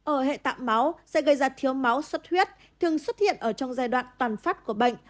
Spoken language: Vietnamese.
ở hệ tạm máu sẽ gây ra thiếu máu xuất huyết thường xuất hiện ở trong giai đoạn toàn phát của bệnh